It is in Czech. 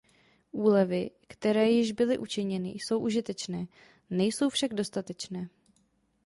Úlevy, které již byly učiněny, jsou užitečné, nejsou však dostatečné.